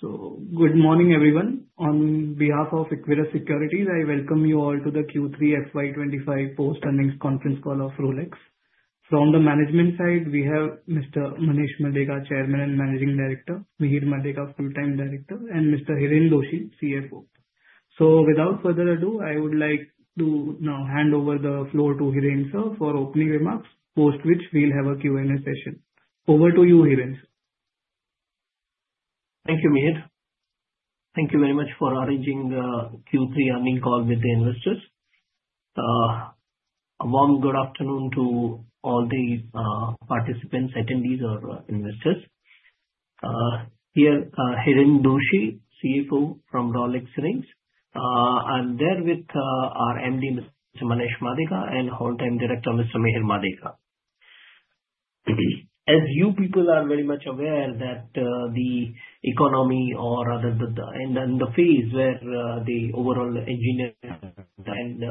Yeah, so good morning, everyone. On behalf of Equirus Securities, I welcome you all to the Q3 FY 2025 Post Earnings Conference Call of Rolex. From the management side, we have Mr. Manesh Madeka, Chairman and Managing Director, Mihir Madeka, full-time Director, and Mr. Hiren Doshi, CFO. Without further ado, I would like to now hand over the floor to Hiren sir for opening remarks, post which we'll have a Q&A session. Over to you, Hiren sir. Thank you, Mihir. Thank you very much for arranging the Q3 Earnings Call with the investors. A warm good afternoon to all the participants, attendees, or investors. Here is Hiren Doshi, CFO from Rolex Rings. I'm there with our MD, Mr. Manesh Madeka, and whole-time director, Mr. Mihir Madeka. As you people are very much aware that the economy, or rather the phase where the overall engineering and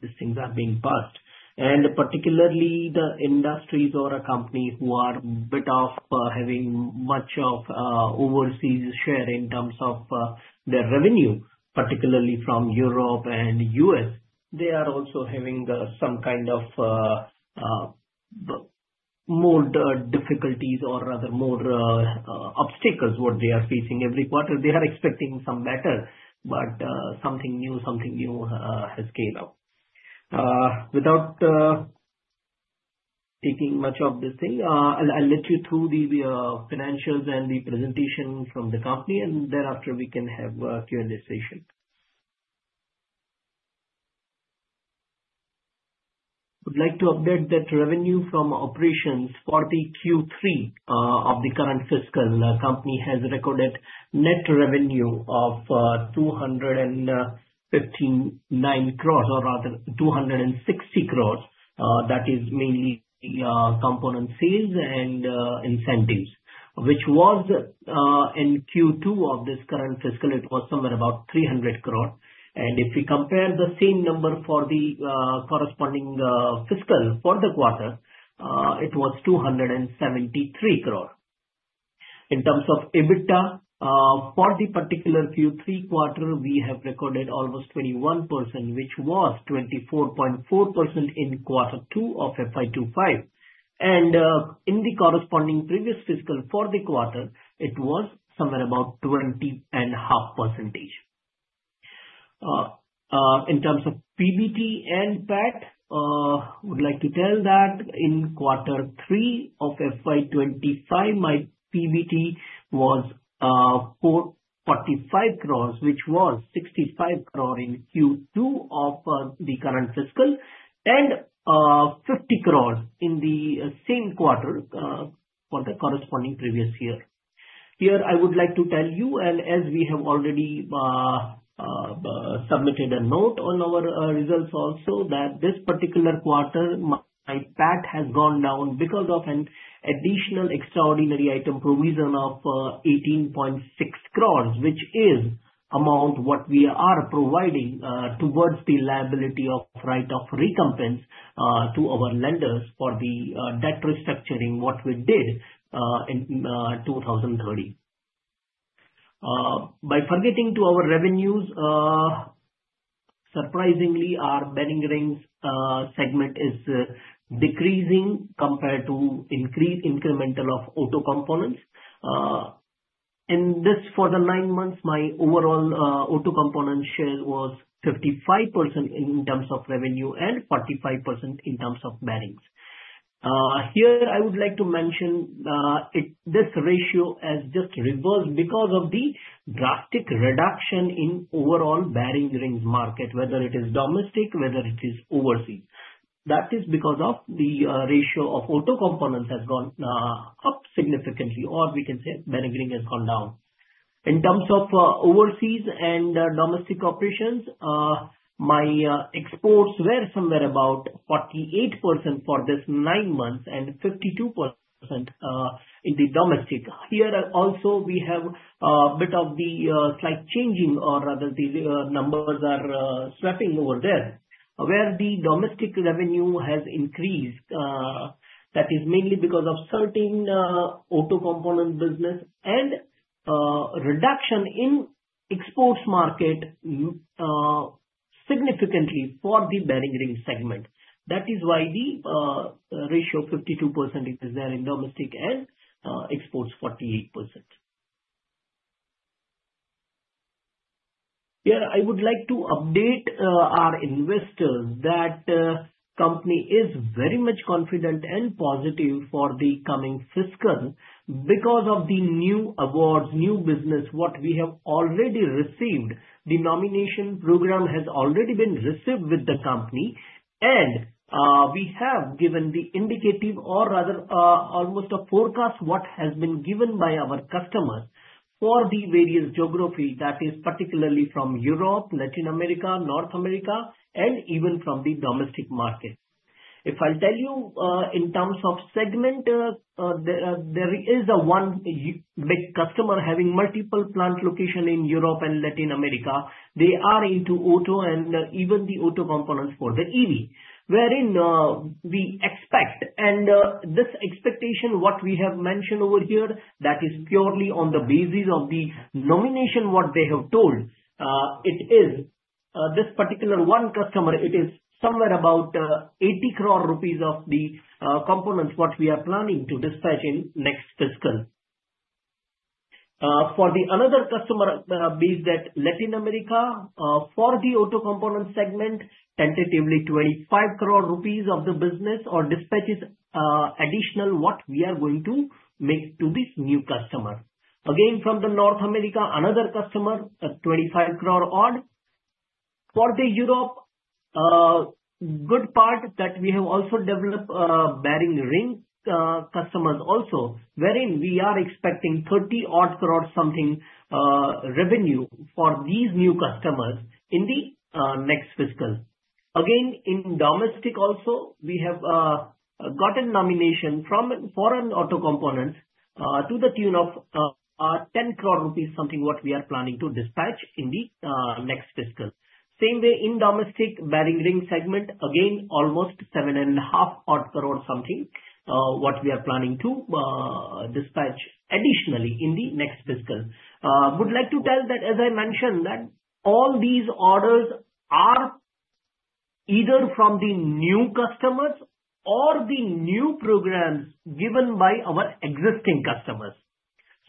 these things are being passed, and particularly the industries or companies who are bit off having much of overseas share in terms of their revenue, particularly from Europe and the U.S., they are also having some kind of more difficulties, or rather more obstacles what they are facing every quarter. They are expecting some better, but something new, something new has came up. Without taking much of this thing, I'll let you through the financials and the presentation from the company, and thereafter we can have a Q&A session. I would like to update that revenue from operations for the Q3 of the current fiscal company has recorded net revenue of 215.9 crores, or rather 260 crores. That is mainly component sales and incentives. Which was in Q2 of this current fiscal, it was somewhere about 300 crores. If we compare the same number for the corresponding fiscal for the quarter, it was 273 crores. In terms of EBITDA for the particular Q3 quarter, we have recorded almost 21%, which was 24.4% in quarter two of FY 2025. In the corresponding previous fiscal for the quarter, it was somewhere about 20.5%. In terms of PBT and PAT, I would like to tell that in quarter three of FY 2025, my PBT was 45 crores, which was 65 crores in Q2 of the current fiscal, and 50 crores in the same quarter for the corresponding previous year. Here, I would like to tell you, and as we have already submitted a note on our results also, that this particular quarter, my PAT has gone down because of an additional extraordinary item provision of 18.6 crores, which is the amount what we are providing towards the liability of right of recompense to our lenders for the debt restructuring what we did in 2013. Turning to our revenues, surprisingly, our bearing rings segment is decreasing compared to the increase in auto components. In this, for the nine months, my overall auto component share was 55% in terms of revenue and 45% in terms of bearings. Here, I would like to mention this ratio has just reversed because of the drastic reduction in overall bearing rings market, whether it is domestic, whether it is overseas. That is because of the ratio of auto components has gone up significantly, or we can say bearing ring has gone down. In terms of overseas and domestic operations, my exports were somewhere about 48% for this nine months and 52% in the domestic. Here also, we have a bit of the slight changing, or rather the numbers are swapping over there, where the domestic revenue has increased. That is mainly because of certain auto component business and reduction in exports market significantly for the bearing ring segment. That is why the ratio 52% is there in domestic and exports 48%. Here, I would like to update our investors that the company is very much confident and positive for the coming fiscal because of the new awards, new business what we have already received. The nomination program has already been received with the company, and we have given the indicative, or rather almost a forecast, what has been given by our customers for the various geographies, that is particularly from Europe, Latin America, North America, and even from the domestic market. If I'll tell you, in terms of segment, there is one big customer having multiple plant locations in Europe and Latin America. They are into auto and even the auto components for the EV, wherein we expect, and this expectation what we have mentioned over here, that is purely on the basis of the nomination what they have told. It is this particular one customer. It is somewhere about 80 crores rupees of the components what we are planning to dispatch in next fiscal. For the another customer, be it that Latin America, for the auto component segment, tentatively 25 crores rupees of the business or dispatches additional what we are going to make to this new customer. Again, from the North America, another customer, 25 crores odd. For the Europe, good part that we have also developed bearing ring customers also, wherein we are expecting 30 odd crores something revenue for these new customers in the next fiscal. Again, in domestic also, we have gotten nomination from foreign auto components to the tune of 10 crores rupees something what we are planning to dispatch in the next fiscal. Same way in domestic bearing ring segment, again, almost 7.5 odd crores something what we are planning to dispatch additionally in the next fiscal. I would like to tell that, as I mentioned, that all these orders are either from the new customers or the new programs given by our existing customers.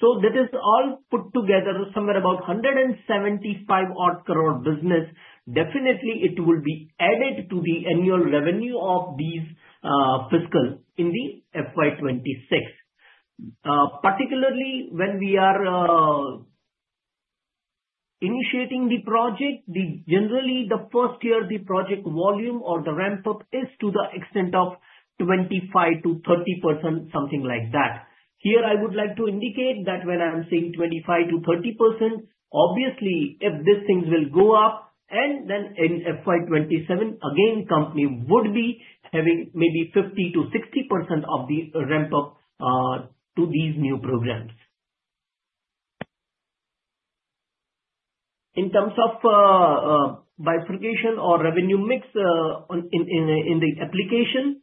So that is all put together somewhere about 175 odd crores business. Definitely, it will be added to the annual revenue of these fiscal in the FY 2026. Particularly, when we are initiating the project, generally the first year the project volume or the ramp up is to the extent of 25%-30%, something like that. Here, I would like to indicate that when I'm saying 25%-30%, obviously, if these things will go up, and then in FY 2027, again, the company would be having maybe 50%-60% of the ramp up to these new programs. In terms of bifurcation or revenue mix in the application,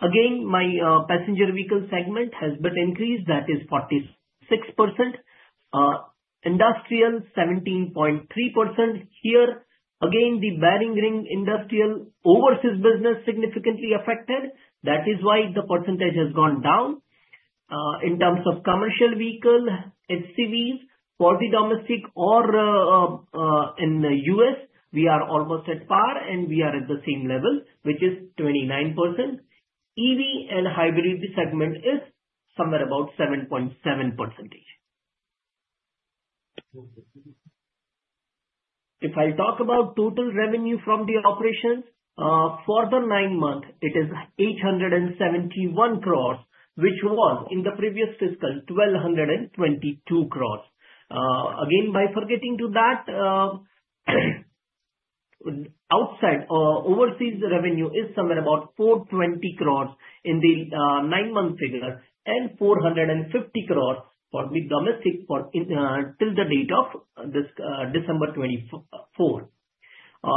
again, my passenger vehicle segment has been increased, that is 46%. Industrial, 17.3%. Here, again, the bearing ring industrial overseas business significantly affected. That is why the percentage has gone down. In terms of commercial vehicle, SUVs for the domestic or in the U.S., we are almost at par, and we are at the same level, which is 29%. EV and hybrid segment is somewhere about 7.7%. If I'll talk about total revenue from the operations, for the nine months, it is 871 crores, which was in the previous fiscal 1,222 crores. Again, by forgetting to that, outside overseas revenue is somewhere about 420 crores in the nine-month figure and 450 crores for the domestic till the date of December 2024.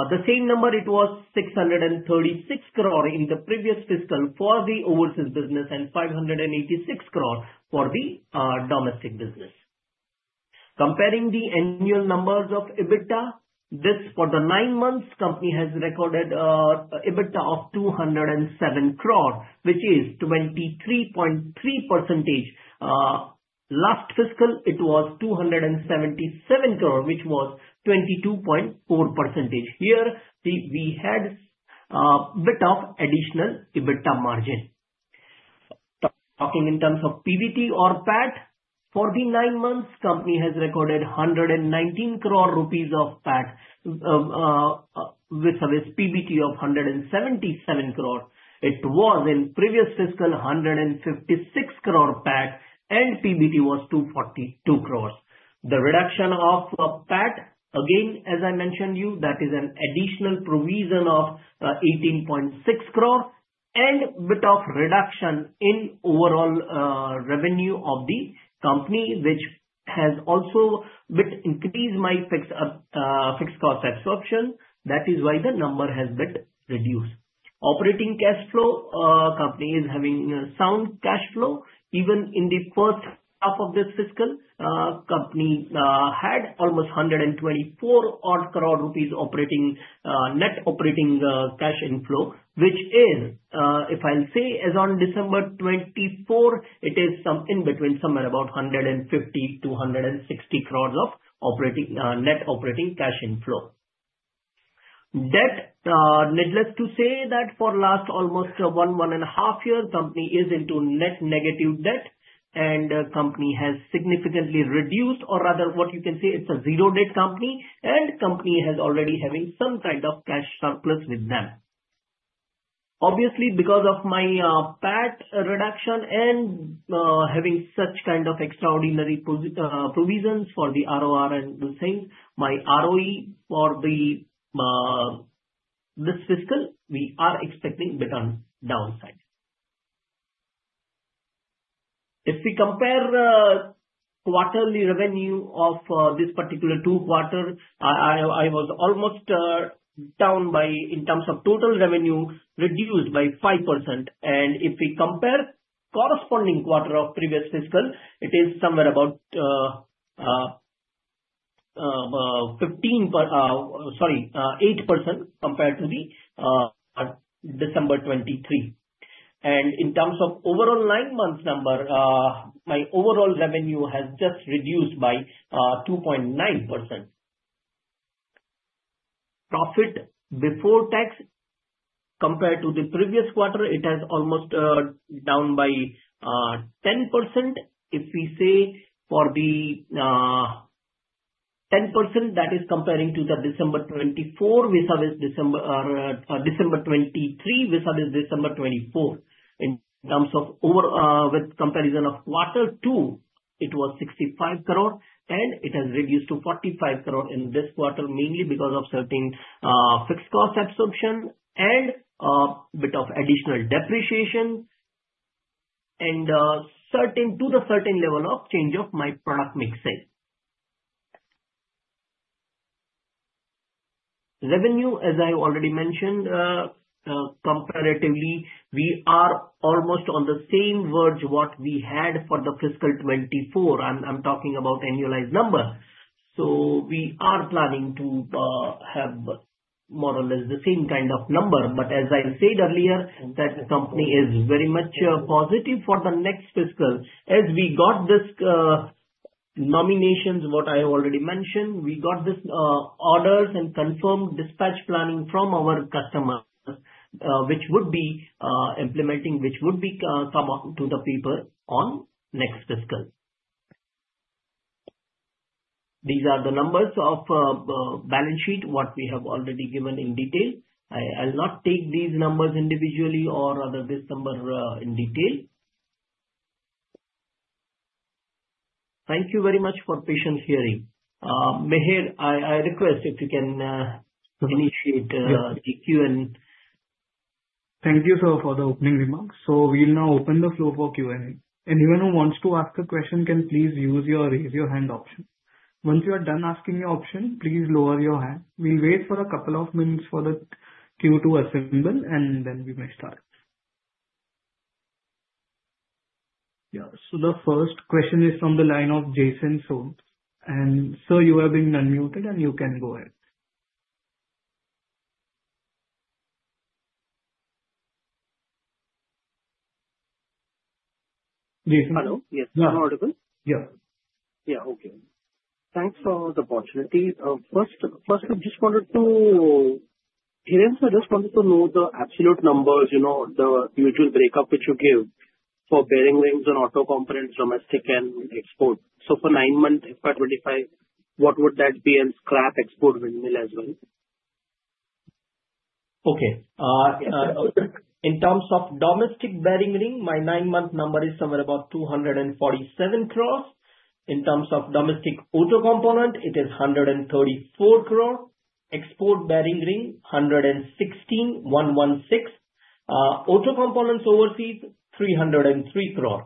The same number, it was 636 crores in the previous fiscal for the overseas business and 586 crores for the domestic business. Comparing the annual numbers of EBITDA, this for the nine months, company has recorded EBITDA of 207 crores, which is 23.3%. Last fiscal, it was 277 crores, which was 22.4%. Here, we had a bit of additional EBITDA margin. Talking in terms of PBT or PAT, for the nine months, company has recorded 119 crores rupees of PAT with a PBT of 177 crores. It was in previous fiscal 156 crores PAT, and PBT was 242 crores. The reduction of PAT, again, as I mentioned to you, that is an additional provision of 18.6 crores and bit of reduction in overall revenue of the company, which has also bit increased my fixed cost absorption. That is why the number has bit reduced. Operating cash flow, company is having sound cash flow. Even in the first half of this fiscal, company had almost 124 odd crores operating net operating cash inflow, which is, if I'll say, as on December 2024, it is some in between somewhere about 150 crores-160 crores of net operating cash inflow. Debt, needless to say, that for last almost one, one and a half years, company is into net negative debt, and company has significantly reduced, or rather what you can say, it's a zero-debt company, and company has already having some kind of cash surplus with them. Obviously, because of my PAT reduction and having such kind of extraordinary provisions for the ROR and those things, my ROE for this fiscal, we are expecting bit on downside. If we compare quarterly revenue of this particular two quarters, I was almost down by in terms of total revenue reduced by 5%. And if we compare corresponding quarter of previous fiscal, it is somewhere about 15, sorry, 8% compared to the December 2023. And in terms of overall nine-month number, my overall revenue has just reduced by 2.9%. Profit before tax compared to the previous quarter, it has almost down by 10%. If we say for the 10%, that is comparing to the December 2024, December 2023, with December 2024. In terms of with comparison of quarter two, it was 65 crores, and it has reduced to 45 crores in this quarter mainly because of certain fixed cost absorption and bit of additional depreciation and to the certain level of change of my product mixing. Revenue, as I already mentioned, comparatively, we are almost on the same verge what we had for the fiscal 2024. I'm talking about annualized number, so we are planning to have more or less the same kind of number, but as I said earlier, that the company is very much positive for the next fiscal. As we got this nominations, what I already mentioned, we got this orders and confirmed dispatch planning from our customers, which would be implementing, which would be come out to the people on next fiscal. These are the numbers of balance sheet what we have already given in detail. I'll not take these numbers individually or otherwise this number in detail. Thank you very much for your patience. Mihir, I request if you can initiate the Q&A. Thank you, sir, for the opening remarks. So we'll now open the floor for Q&A. Anyone who wants to ask a question can please use the raise hand option. Once you are done asking your question, please lower your hand. We'll wait for a couple of minutes for the queue to assemble, and then we may start. Yeah. So the first question is from the line of Jason Soans. And sir, you have been unmuted, and you can go ahead. Jason. Hello? Yes. Is my audio clear? Yeah. Yeah. Okay. Thanks for the opportunity. First, I just wanted to jump in, so I just wanted to know the absolute numbers, the revenue breakup which you give for bearing rings and auto components, domestic and export. So for nine months, FY 2025, what would that be and scrap, export, windmill as well? Okay. In terms of domestic bearing ring, my nine-month number is somewhere about 247 crores. In terms of domestic auto component, it is 134 crores. Export bearing ring, 116 crores. Auto components overseas, 303 crores.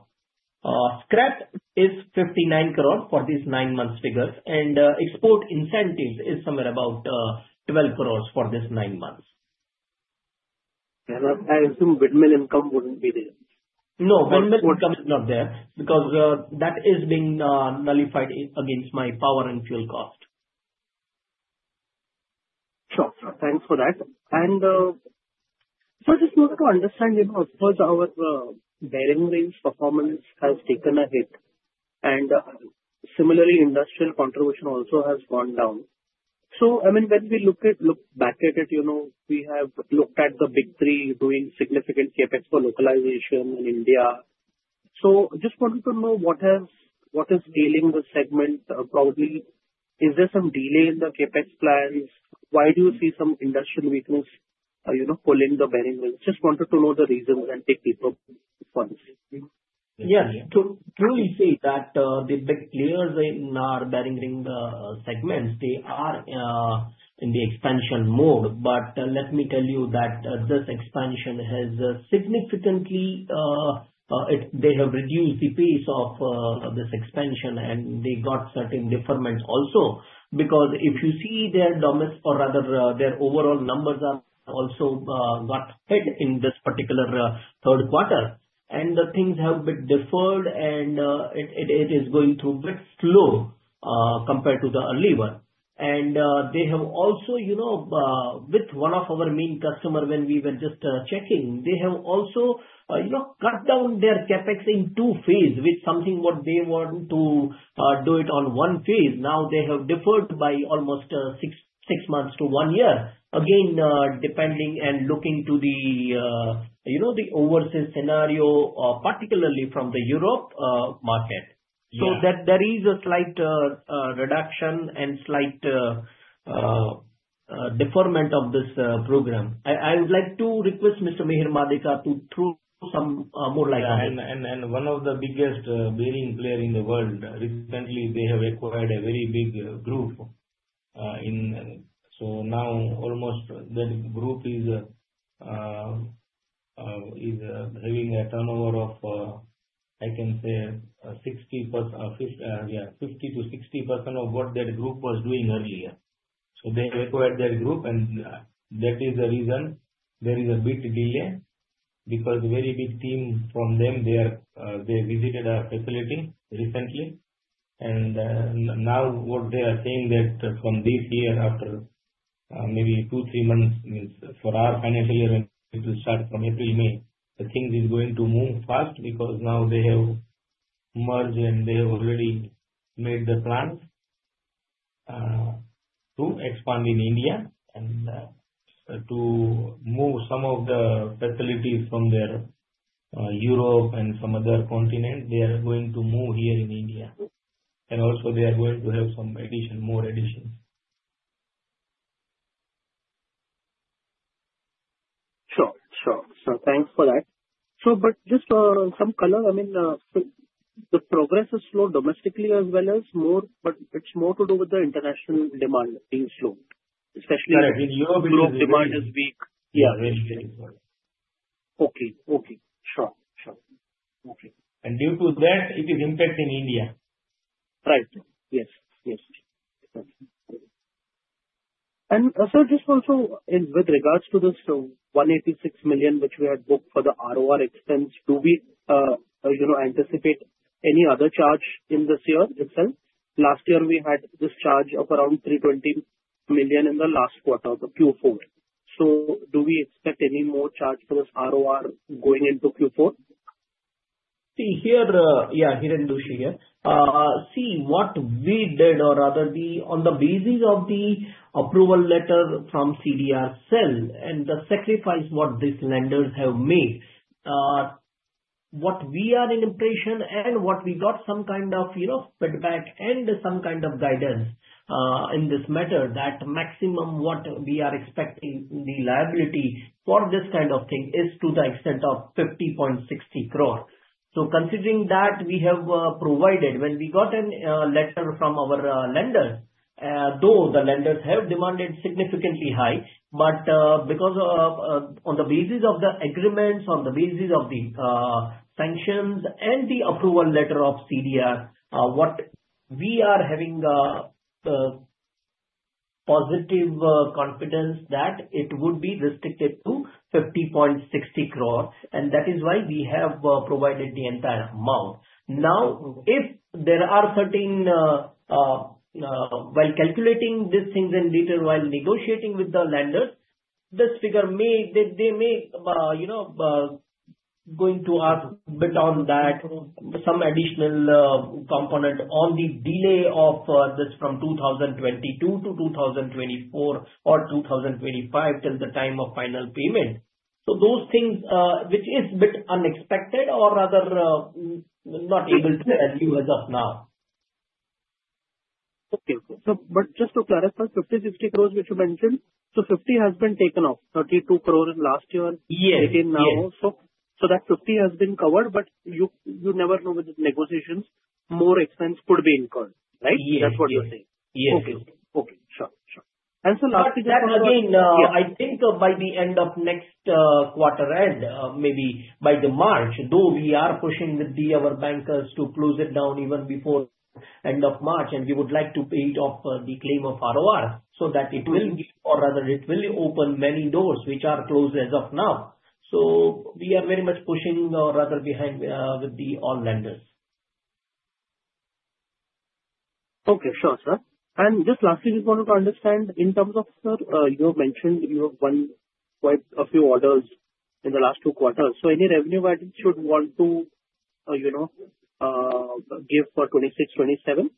Scrap is 59 crores for these nine-month figures. And export incentives is somewhere about 12 crores for this nine months. And I assume windmill income wouldn't be there. No, windmill income is not there because that is being nullified against my power and fuel cost. Sure. Thanks for that. And sir, just wanted to understand, of course, our bearing rings performance has taken a hit. Similarly, industrial contribution also has gone down. I mean, when we look back at it, we have looked at the big three doing significant CapEx for localization in India. Just wanted to know what is the industrial segment. Probably, is there some delay in the CapEx plans? Why do you see some industrial weakness pulling the bearing rings? Just wanted to know the reasons and take people's thoughts. Yeah. It's true to say that the big players in our bearing rings segment, they are in the expansion mode. But let me tell you that this expansion has significantly reduced the pace of this expansion, and they got certain deferments also because if you see their domestic or rather their overall numbers have also got hit in this particular third quarter. The things have a bit deferred, and it is going through a bit slow compared to the early one. They have also, with one of our main customers, when we were just checking, cut down their CapEx in two phases, which something what they want to do it on one phase. Now they have deferred by almost six months to one year, again, depending and looking to the overseas scenario, particularly from the Europe market. So there is a slight reduction and slight deferment of this program. I would like to request Mr. Mihir Madeka to throw some more light on it. One of the biggest bearing player in the world, recently, they have acquired a very big group. So now almost that group is having a turnover of, I can say, 60%, yeah, 50%-60% of what that group was doing earlier. They acquired that group, and that is the reason there is a bit delay because very big team from them, they visited our facility recently. And now what they are saying that from this year, after maybe two, three months, means for our financial year to start from April, May, the things is going to move fast because now they have merged and they have already made the plan to expand in India and to move some of the facilities from their Europe and some other continent. They are going to move here in India. And also, they are going to have some addition, more additions. Sure. Sure. So thanks for that. Sure. But just some color, I mean, the progress is slow domestically as well as more, but it's more to do with the international demand being slow, especially in Europe. Yeah. In Europe, demand is weak. Yeah. Very weak. Okay. Okay. Sure. Sure. Okay. And due to that, it is impacting India. Right. Yes. Yes. And sir, just also with regards to this 186 million, which we had booked for the ROR expense, do we anticipate any other charge in this year itself? Last year, we had this charge of around 320 million in the last quarter, the Q4. So do we expect any more charge for this ROR going into Q4? See, Hiren Doshi here. See, what we did, or rather on the basis of the approval letter from CDR Cell and the sacrifice what these lenders have made, what we are of the impression and what we got some kind of feedback and some kind of guidance in this matter, that maximum what we are expecting the liability for this kind of thing is to the extent of 50.60 crores. So considering that we have provided when we got a letter from our lenders, though the lenders have demanded significantly high, but because on the basis of the agreements, on the basis of the sanctions and the approval letter of CDR, what we are having positive confidence that it would be restricted to 50.60 crores. And that is why we have provided the entire amount. Now, if there are certain while calculating these things in detail while negotiating with the lenders, this figure may they may going to ask a bit on that some additional component on the delay of this from 2022 to 2024 or 2025 till the time of final payment. So those things, which is a bit unexpected or rather not able to tell you as of now. Okay. Okay. But just to clarify, 50 crores-60 crores, which you mentioned, so 50 crores has been taken off, 32 crores last year, INR 18 now. So that 50 crores has been covered, but you never know with the negotiations, more expense could be incurred, right? That's what you're saying. Yes. Okay. Okay. Sure. Sure. And so lastly, just again, I think by the end of next quarter end, maybe by the March, though we are pushing with the other bankers to close it down even before end of March, and we would like to pay it off the claim of ROR so that it will give or rather it will open many doors which are closed as of now. So we are very much pushing or rather behind with the all lenders. Okay. Sure, sir. Just lastly, just wanted to understand in terms of, sir, you have mentioned you have won quite a few orders in the last two quarters. Any revenue added should want to give for 2026, 2027?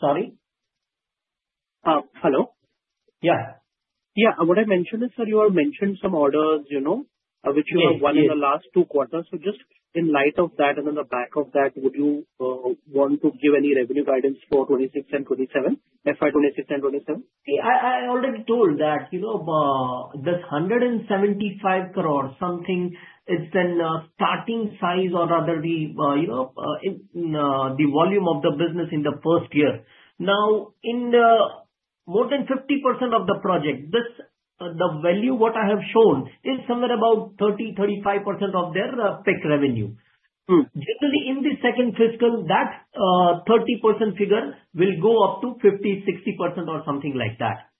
Sorry? Hello? Yeah. Yeah. What I mentioned is, sir, you have mentioned some orders which you have won in the last two quarters. Just in light of that and in the back of that, would you want to give any revenue guidance for 2026 and 2027, FY 2026 and 2027? See, I already told that this 175 crores something, it's the starting size or rather the volume of the business in the first year. Now, in more than 50% of the project, the value what I have shown is somewhere about 30%-35% of their peak revenue. Generally, in the second fiscal, that 30% figure will go up to 50%-60% or something like that.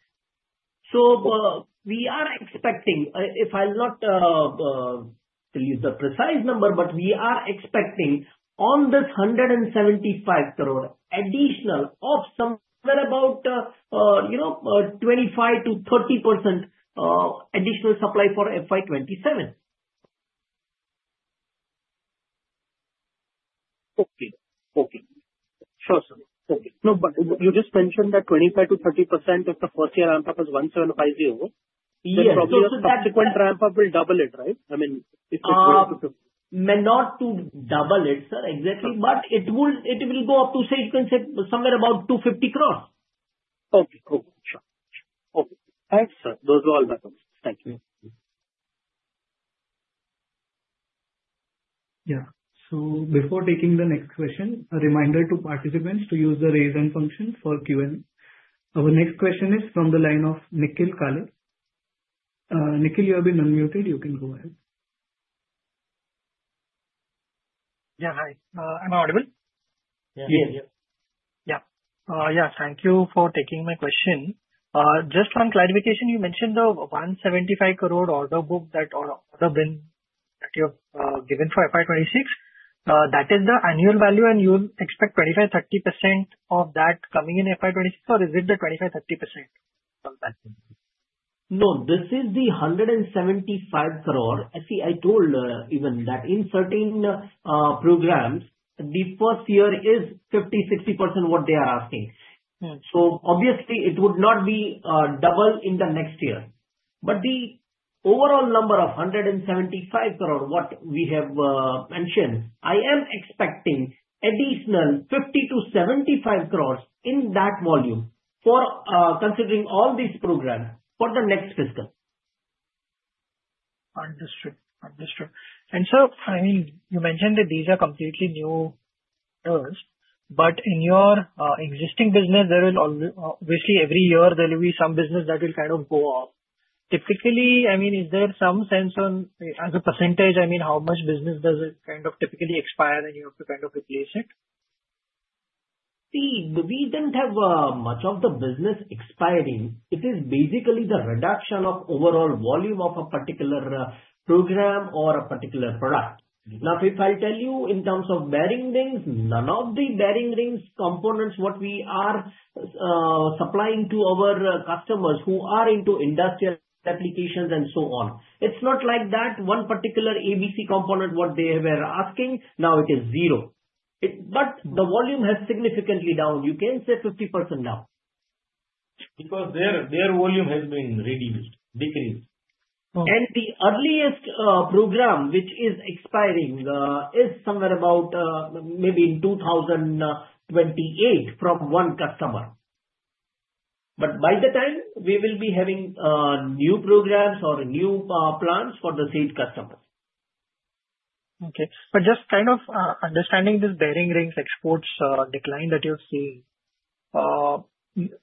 So we are expecting, if I'll not tell you the precise number, but we are expecting on this 175 crores additional of somewhere about 25%-30% additional supply for FY 2027. Okay. Okay. Sure, sir. Okay. No, but you just mentioned that 25%-30% of the first year ramp-up is 175 crores. Then probably subsequent ramp-up will double it, right? I mean, if it goes to. May not double it, sir, exactly, but it will go up to, say, you can say somewhere about 250 crores. Okay. Okay. Sure. Okay. Thanks, sir. Those are all my questions. Thank you. Yeah. So before taking the next question, a reminder to participants to use the raise hand function for Q&A. Our next question is from the line of Nikhil Kale. Nikhil, you have been unmuted. You can go ahead. Yeah. Hi. Am I audible? Yes. Yes. Yeah. Yeah. Thank you for taking my question. Just one clarification. You mentioned the 175 crore order book that you have given for FY 2026. That is the annual value, and you expect 25%-30% of that coming in FY 2026, or is it the 25%-30%? No, this is the 175 crores. See, I told even that in certain programs, the first year is 50%-60% what they are asking. So obviously, it would not be double in the next year. But the overall number of 175 crores what we have mentioned, I am expecting additional 50 crores-75 crores in that volume for considering all these programs for the next fiscal. Understood. Understood. Sir, I mean, you mentioned that these are completely new years, but in your existing business, there will obviously every year, there will be some business that will kind of go off. Typically, I mean, is there some sense on as a percentage, I mean, how much business does it kind of typically expire, and you have to kind of replace it? See, we didn't have much of the business expiring. It is basically the reduction of overall volume of a particular program or a particular product. Now, if I'll tell you in terms of bearing rings, none of the bearing rings components what we are supplying to our customers who are into industrial applications and so on. It's not like that one particular ABC component what they were asking. Now it is zero. But the volume has significantly down. You can't say 50% down. Because their volume has been reduced, decreased. And the earliest program which is expiring is somewhere about maybe in 2028 from one customer, but by the time, we will be having new programs or new plans for the seed customers. Okay, but just kind of understanding this bearing rings exports decline that you've seen,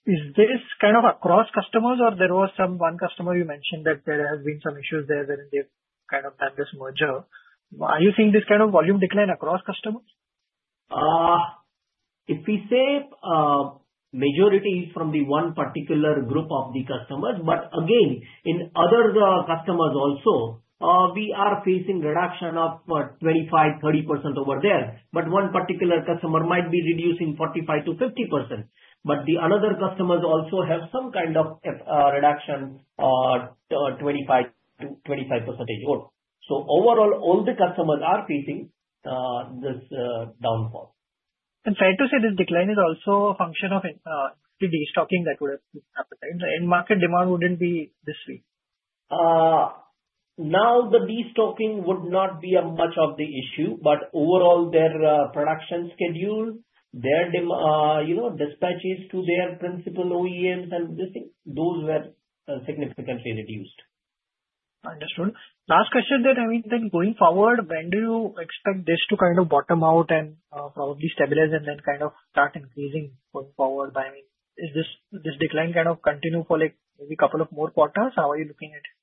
is this kind of across customers or there was some one customer you mentioned that there have been some issues there and they've kind of done this merger? Are you seeing this kind of volume decline across customers? If we say majority is from the one particular group of the customers, but again, in other customers also, we are facing reduction of 25%-30% over there, but one particular customer might be reducing 45%-50%, but the other customers also have some kind of reduction of 25%-25% or so. Overall, all the customers are facing this downfall. And try to say this decline is also a function of the destocking that would have happened in the end market demand wouldn't be this weak. Now, the destocking would not be much of the issue, but overall, their production schedule, their dispatches to their principal OEMs and those were significantly reduced. Understood. Last question then, I mean, then going forward, when do you expect this to kind of bottom out and probably stabilize and then kind of start increasing going forward? I mean, is this decline kind of continue for maybe a couple of more quarters? How are you looking at it?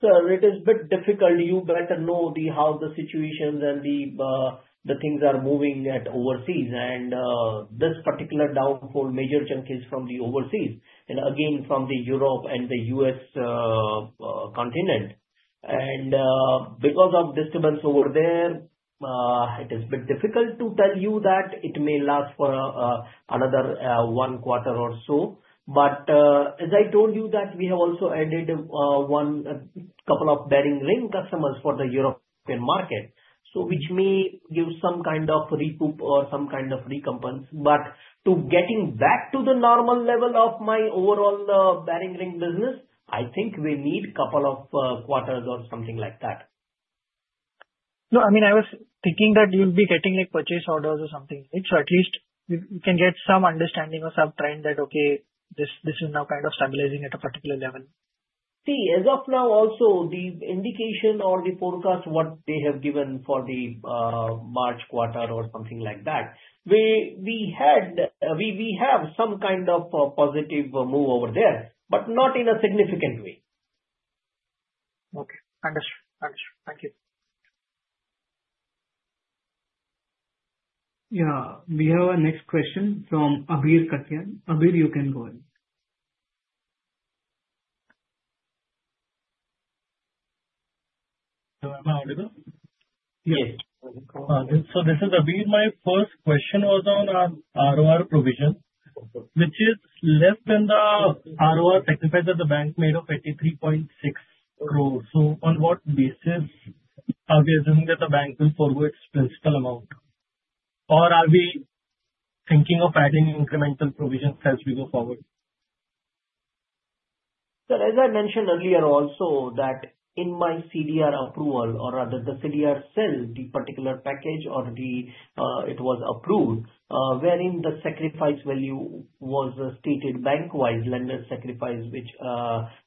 Sir, it is a bit difficult. You know better how the situations and the things are moving at overseas. And this particular downfall, major chunk is from the overseas, and again, from the Europe and the U.S. continent. And because of disturbance over there, it is a bit difficult to tell you that it may last for another one quarter or so. But as I told you that we have also added one couple of bearing ring customers for the European market, which may give some kind of recoup or some kind of recompense. But to getting back to the normal level of my overall bearing ring business, I think we need a couple of quarters or something like that. No, I mean, I was thinking that you'll be getting purchase orders or something, which at least we can get some understanding of some trend that, okay, this is now kind of stabilizing at a particular level. See, as of now, also the indication or the forecast what they have given for the March quarter or something like that, we have some kind of positive move over there, but not in a significant way. Okay. Understood. Understood. Thank you. Yeah. We have a next question from Abir Khatian. Abir, you can go ahead. Am I audible? Yes. So this is Abir. My first question was on ROR provision, which is less than the ROR sacrifice that the bank made of 83.6 crores. So on what basis are we assuming that the bank will forward its principal amount? Or are we thinking of adding incremental provisions as we go forward? Sir, as I mentioned earlier also that in my CDR approval or rather the CDR Cell, the particular package or it was approved, wherein the sacrifice value was stated bank-wide lender sacrifice, which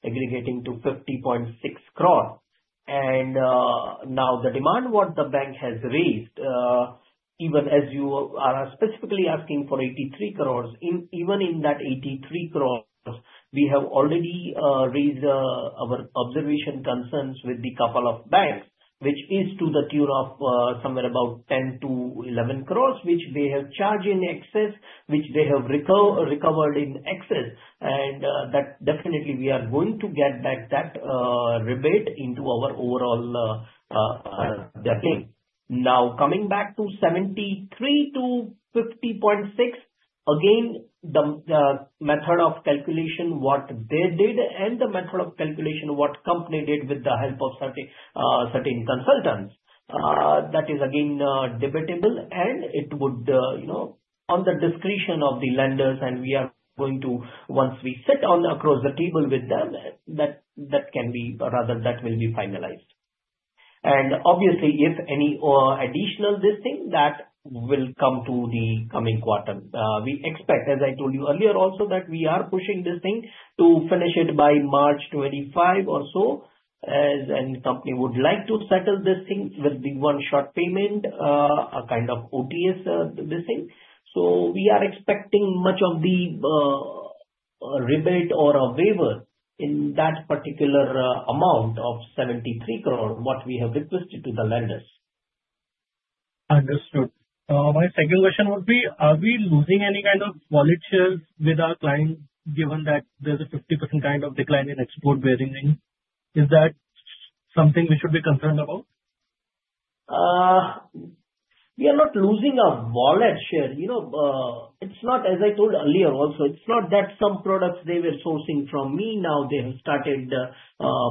aggregating to 50.6 crores. And now the demand what the bank has raised, even as you are specifically asking for 83 crores, even in that 83 crores, we have already raised our observation concerns with the couple of banks, which is to the tune of somewhere about 10 crores-11 crores, which they have charged in excess, which they have recovered in excess. And that definitely we are going to get back that rebate into our overall thing. Now, coming back to 73-50.6, again, the method of calculation what they did and the method of calculation what company did with the help of certain consultants, that is again debatable. And it would on the discretion of the lenders, and we are going to once we sit across the table with them, that can be rather that will be finalized. Obviously, if any additional this thing, that will come to the coming quarter. We expect, as I told you earlier also, that we are pushing this thing to finish it by March 2025 or so, as any company would like to settle this thing with the one-shot payment, a kind of OTS, this thing. So we are expecting much of the rebate or a waiver in that particular amount of 73 crore what we have requested to the lenders. Understood. My second question would be, are we losing any kind of wallet shares with our clients given that there's a 50% kind of decline in export bearing ring? Is that something we should be concerned about? We are not losing our wallet share. It's not, as I told earlier also, it's not that some products they were sourcing from me. Now they have started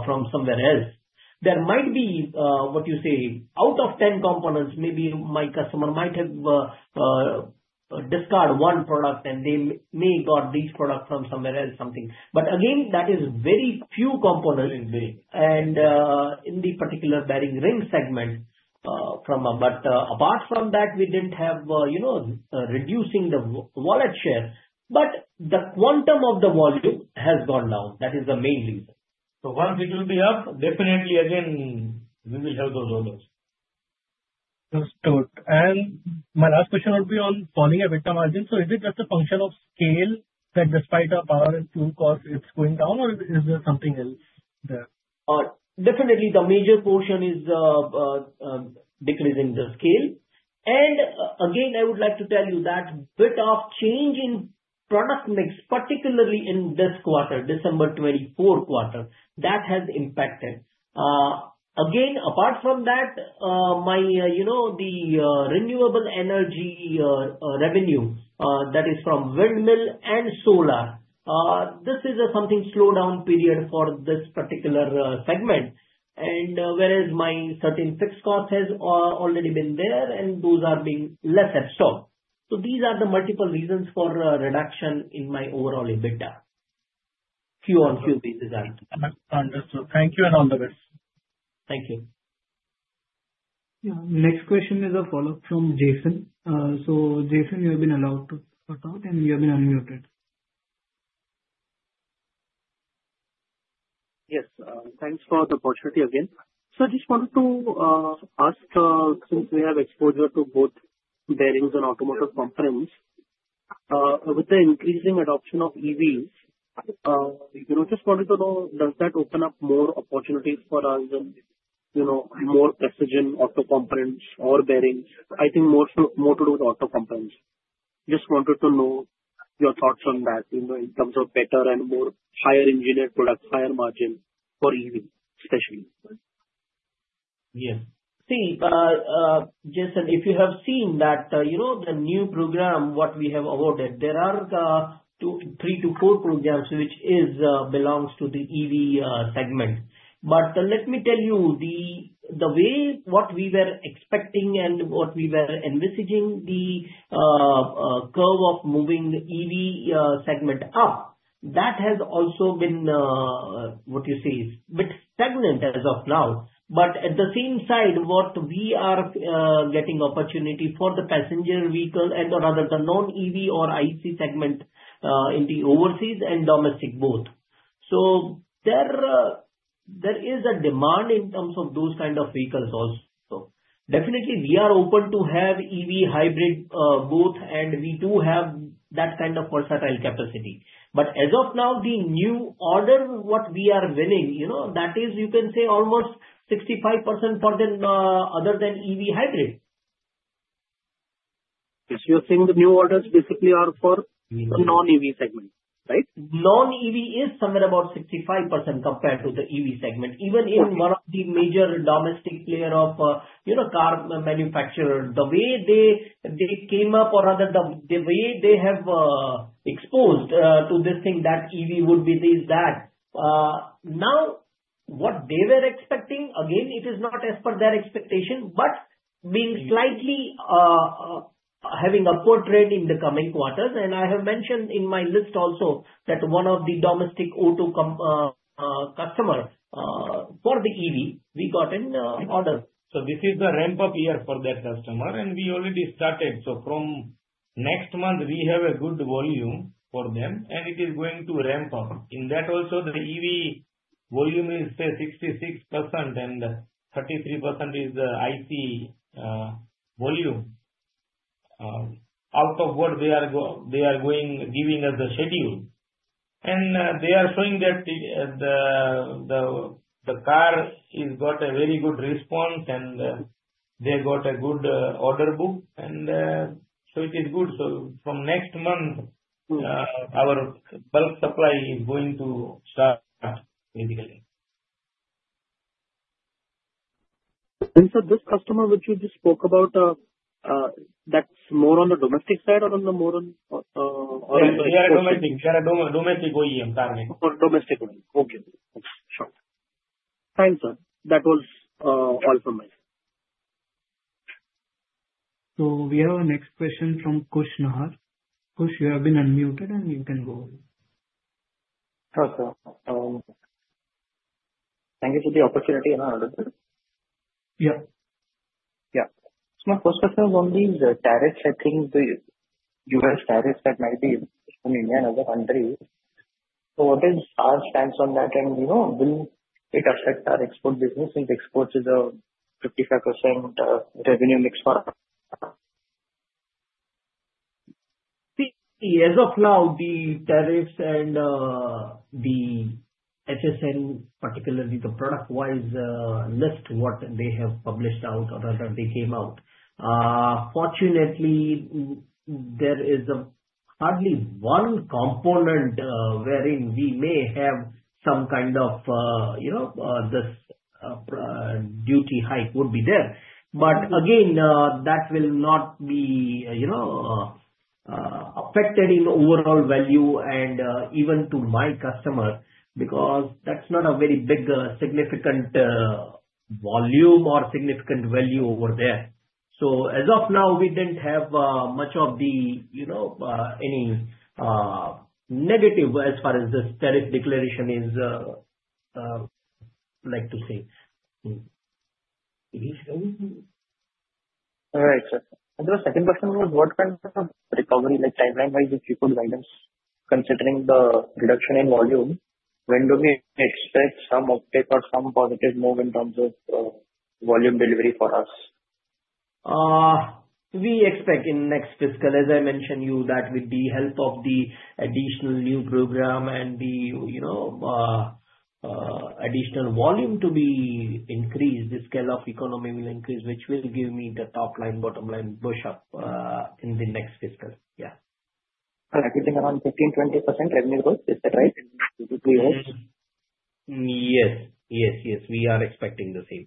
from somewhere else. There might be, what you say, out of 10 components, maybe my customer might have discarded one product, and they may got these products from somewhere else, something. But again, that is very few components. And in the particular bearing ring segment from a but apart from that, we didn't have reducing the wallet share, but the quantum of the volume has gone down. That is the main reason. So once it will be up, definitely, again, we will have those orders. Understood. And my last question would be on falling EBITDA margin. So is it just a function of scale that despite our power and fuel costs, it's going down, or is there something else there? Definitely, the major portion is decreasing the scale. And again, I would like to tell you that bit of change in product mix, particularly in this quarter, December 2024 quarter, that has impacted. Again, apart from that, the renewable energy revenue that is from windmill and solar, this is a sort of slowdown period for this particular segment, whereas my certain fixed cost has already been there, and those are being less at stock. So these are the multiple reasons for reduction in my overall EBITDA. A few reasons are. Understood. Thank you and all the best. Thank you. Yeah. Next question is a follow-up from Jason. So Jason, you have been allowed to cut in, and you have been unmuted. Yes. Thanks for the opportunity again. So I just wanted to ask, since we have exposure to both bearings and automotive components, with the increasing adoption of EVs, just wanted to know, does that open up more opportunities for us and more precision auto components or bearings? I think more to do with auto components. Just wanted to know your thoughts on that in terms of better and more higher engineered products, higher margin for EVs, especially. Yes. See, Jason, if you have seen that the new program what we have awarded, there are three to four programs which belong to the EV segment. But let me tell you, the way what we were expecting and what we were envisaging, the curve of moving the EV segment up, that has also been what you say is a bit stagnant as of now. But at the same time, what we are getting opportunity for the passenger vehicle and rather the non-EV or IC segment in the overseas and domestic both. So there is a demand in terms of those kind of vehicles also. Definitely, we are open to have EV hybrid both, and we do have that kind of versatile capacity. But as of now, the new order what we are winning, that is, you can say almost 65% other than EV hybrid. So you're saying the new orders basically are for non-EV segment, right? Non-EV is somewhere about 65% compared to the EV segment. Even in one of the major domestic player of car manufacturer, the way they came up or rather the way they have exposed to this thing that EV would be this, that. Now, what they were expecting, again, it is not as per their expectation, but being slightly having a footprint in the coming quarters. And I have mentioned in my list also that one of the domestic auto customer for the EV, we got an order. So this is the ramp-up year for that customer, and we already started. So from next month, we have a good volume for them, and it is going to ramp up. In that also, the EV volume is 66%, and 33% is the IC volume out of what they are going giving as a schedule. And they are showing that the car has got a very good response, and they got a good order book. And so it is good. So from next month, our bulk supply is going to start, basically. And so this customer which you just spoke about, that's more on the domestic side or on the more on. Yeah, domestic OEM car maker. Domestic OEM. Okay. Sure. Thanks, sir. That was all from me. So we have a next question from Khush Nahar. Khush, you have been unmuted, and you can go ahead. Sure, sir. Thank you for the opportunity. Yeah. Yeah. So my first question was on these tariffs, I think, the U.S. tariffs that might be from India, another country. So what is our stance on that, and will it affect our export business since exports is a 55% revenue mix for us? See, as of now, the tariffs and the HSN, particularly the product-wise list, what they have published out or rather they came out, fortunately, there is hardly one component wherein we may have some kind of this duty hike would be there. But again, that will not be affected in overall value and even to my customer because that's not a very big significant volume or significant value over there. So as of now, we didn't have much of any negative as far as this tariff declaration is like to say. All right, sir. The second question was what kind of recovery timeline-wise if you could guide us considering the reduction in volume, when do we expect some uptake or some positive move in terms of volume delivery for us? We expect in next fiscal, as I mentioned to you, that with the help of the additional new program and the additional volume to be increased, the scale of economy will increase, which will give me the top line, bottom line push-up in the next fiscal. Yeah. And I think around 15%-20% revenue growth, is that right? Yes. Yes. Yes. We are expecting the same.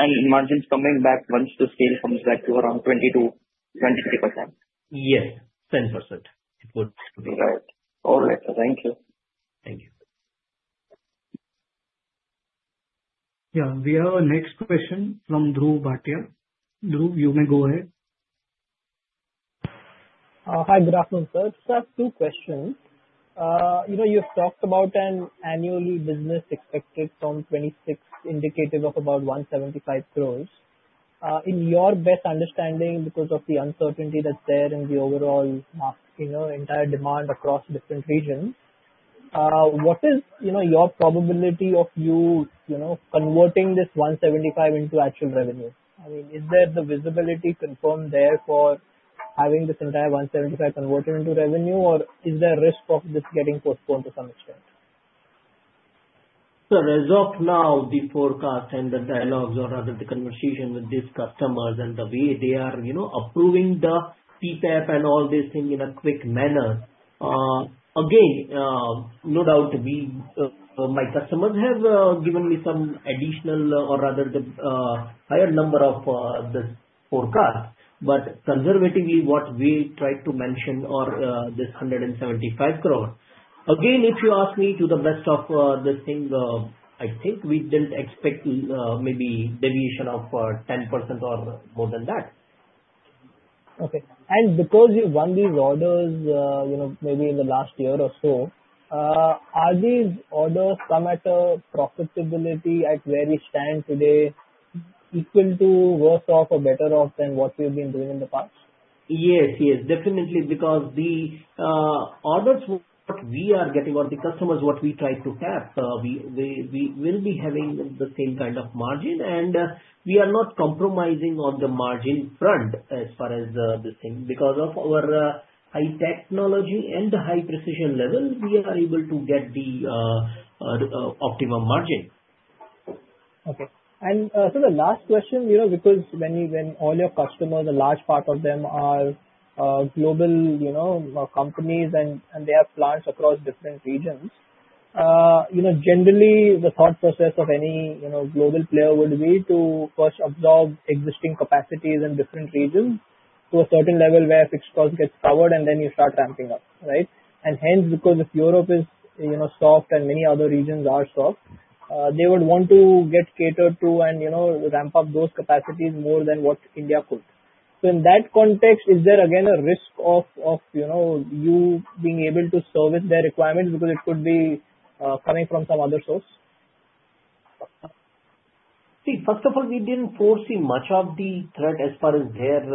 And margins coming back once the scale comes back to around 22%-23%? Yes. 10%. It would be right. All right. Thank you. Thank you. Yeah. We have a next question from Dhruv Bhatia. Dhruv, you may go ahead. Hi, good afternoon, sir. Just two questions. You've talked about an annual business expected from 2026 indicative of about 175 crores. In your best understanding, because of the uncertainty that's there in the overall entire demand across different regions, what is your probability of you converting this 175 into actual revenue? I mean, is there the visibility confirmed there for having this entire 175 converted into revenue, or is there risk of this getting postponed to some extent? So as of now, the forecast and the dialogues or rather the conversation with these customers and the way they are approving the PPAP and all this thing in a quick manner, again, no doubt my customers have given me some additional or rather the higher number of this forecast. But conservatively, what we tried to mention or this 175 crores, again, if you ask me to the best of this thing, I think we didn't expect maybe deviation of 10% or more than that. Okay. And because you've won these orders maybe in the last year or so, are these orders come at a profitability at where you stand today equal to worse off or better off than what you've been doing in the past? Yes. Yes. Definitely. Because the orders what we are getting or the customers what we tried to tap, we will be having the same kind of margin. And we are not compromising on the margin front as far as this thing. Because of our high technology and high precision level, we are able to get the optimum margin. Okay. And so the last question, because when all your customers, a large part of them are global companies and they have plants across different regions, generally, the thought process of any global player would be to first absorb existing capacities in different regions to a certain level where fixed cost gets covered, and then you start ramping up, right? And hence, because if Europe is soft and many other regions are soft, they would want to get catered to and ramp up those capacities more than what India could. So in that context, is there again a risk of you being able to service their requirements because it could be coming from some other source? See, first of all, we didn't foresee much of the threat as far as their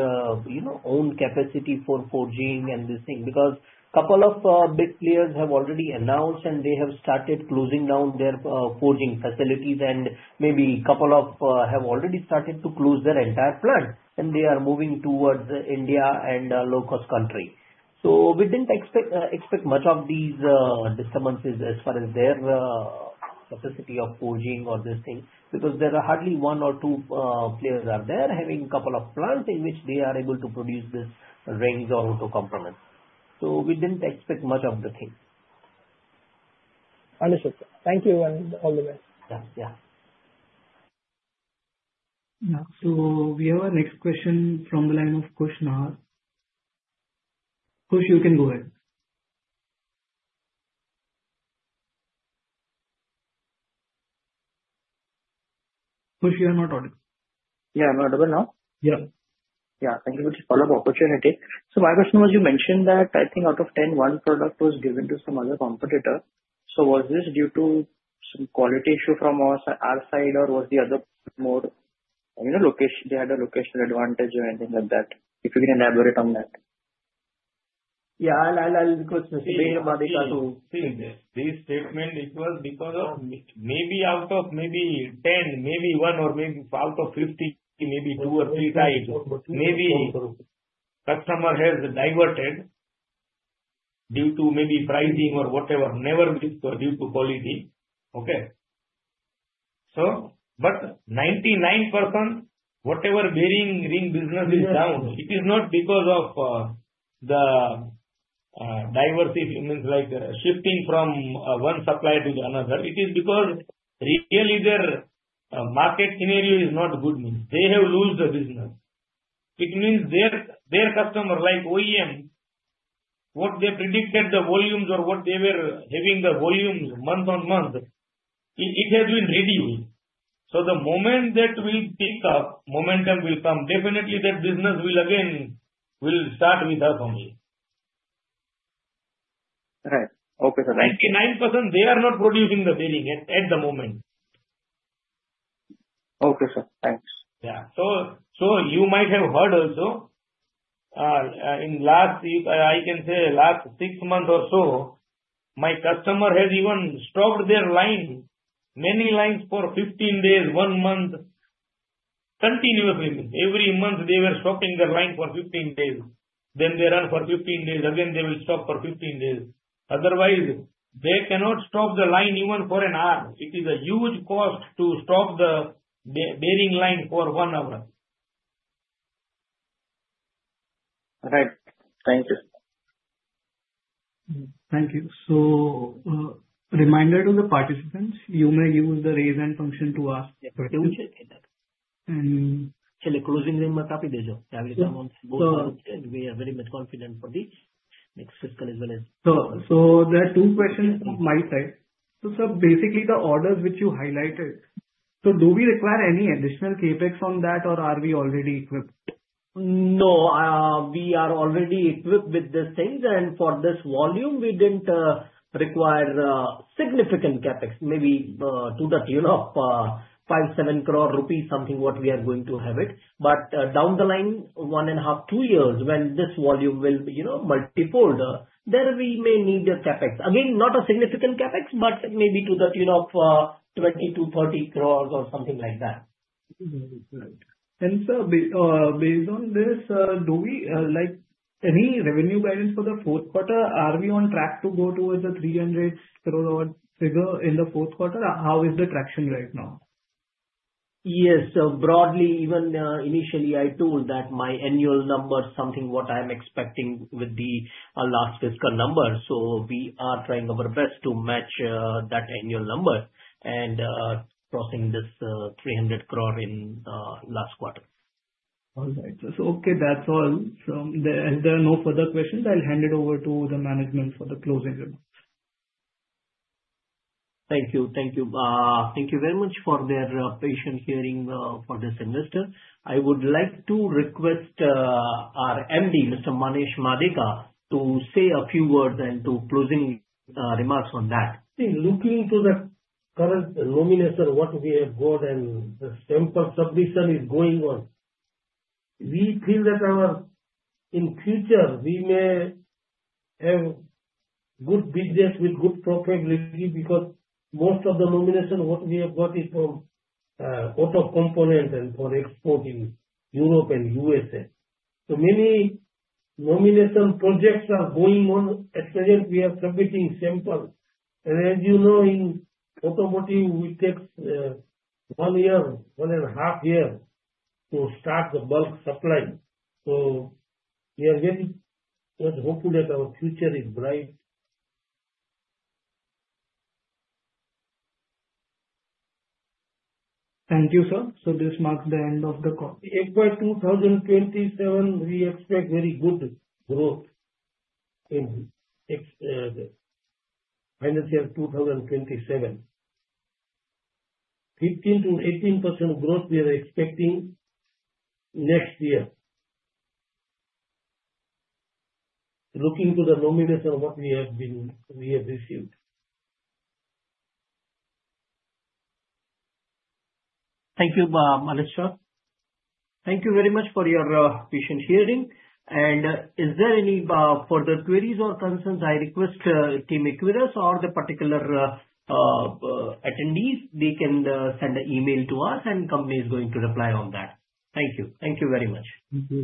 own capacity for forging and this thing. Because a couple of big players have already announced, and they have started closing down their forging facilities, and maybe a couple of have already started to close their entire plant, and they are moving towards India and a low-cost country. So we didn't expect much of these disturbances as far as their capacity of forging or this thing. Because there are hardly one or two players out there having a couple of plants in which they are able to produce these rings or auto components. So we didn't expect much of the thing. Understood. Thank you and all the best. Yeah. Yeah. Yeah. So we have a next question from the line of Khush Nahar. Khush, you can go ahead. Khush, you are not audible. Yeah. I'm audible now. Yeah. Yeah. Thank you for this follow-up opportunity. So my question was you mentioned that I think out of 10, one product was given to some other competitor. So was this due to some quality issue from our side, or was the other more they had a location advantage or anything like that? If you can elaborate on that. Yeah. I'll go specifically to. See, this statement, it was because of maybe out of 10, maybe one, or maybe out of 50, maybe two or three types. Maybe customer has diverted due to maybe pricing or whatever, never due to quality. Okay? But 99%, whatever bearing ring business is down, it is not because of the diverse means like shifting from one supplier to another. It is because really their market scenario is not good. They have lost the business. It means their customer like OEM, what they predicted the volumes or what they were having the volumes month on month, it has been reduced. So the moment that will pick up, momentum will come. Definitely, that business will again start with us only. Right. Okay, sir. 99%, they are not producing the bearing at the moment. Okay, sir. Thanks. Yeah. So you might have heard also, in last, I can say last six months or so, my customer has even stopped their line, many lines for 15 days, one month continuously. Every month, they were stopping their line for 15 days. Then they run for 15 days. Again, they will stop for 15 days. Otherwise, they cannot stop the line even for an hour. It is a huge cost to stop the bearing line for one hour. Right. Thank you. Thank you. Reminder to the participants, you may use the raise hand function to ask. And actually, closing remark, we'll do the job. We are very much confident for the next fiscal as well as. So there are two questions from my side. So sir, basically, the orders which you highlighted, so do we require any additional CapEx on that, or are we already equipped? No, we are already equipped with this thing. And for this volume, we didn't require significant CapEx. Maybe 5-7 crore rupees or something, what we are going to have. But down the line, one and a half to two years, when this volume will be multiplied, there we may need a CapEx. Again, not a significant CapEx, but maybe 20-30 crores or something like that. And sir, based on this, do you have any revenue guidance for the fourth quarter? Are we on track to go towards a 300 crore figure in the fourth quarter? How is the traction right now? Yes. So broadly, even initially, I told that my annual number is something what I'm expecting with the last fiscal number. So we are trying our best to match that annual number and crossing this 300 crore in last quarter. All right. So okay, that's all, and there are no further questions. I'll hand it over to the management for the closing remarks. Thank you. Thank you. Thank you very much for your patient hearing for this investor. I would like to request our MD, Mr. Manesh Madeka, to say a few words and to closing remarks on that. Looking to the current nominees, what we have got and the sample submission is going on. We feel that in future, we may have good business with good profitability because most of the nominees, what we have got is from auto components and for export in Europe and USA. So many nominees projects are going on. At present, we are submitting samples. And as you know, in automotive, it takes one year, one and a half years to start the bulk supply. So we are very much hopeful that our future is bright. Thank you, sir. So this marks the end of the call. By 2027, we expect very good growth in financial 2027. 15%-18% growth we are expecting next year. Looking to the nominees, what we have been, we have received. Thank you, Manesh. Thank you very much for your patient hearing. Is there any further queries or concerns? I request team Equirus or the particular attendees. They can send an email to us, and the company is going to reply on that. Thank you. Thank you very much.